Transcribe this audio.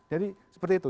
jadi seperti itu